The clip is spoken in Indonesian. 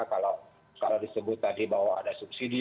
kalau disebut tadi bahwa ada subsidi